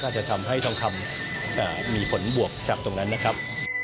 อาจจะทำให้ทองคำมีผลบวกจากตรงนั้นนะครับ